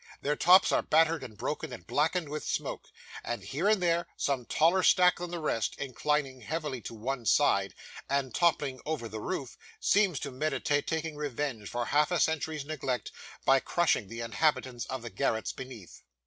Their tops are battered, and broken, and blackened with smoke; and, here and there, some taller stack than the rest, inclining heavily to one side, and toppling over the roof, seems to meditate taking revenge for half a century's neglect, by crushing the inhabitants of the garrets beneath.